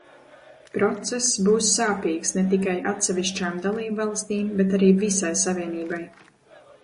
Process būs sāpīgs ne tikai atsevišķām dalībvalstīm, bet arī visai Savienībai.